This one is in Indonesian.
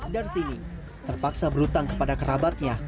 darsini terpaksa berhutang kepada kerabatnya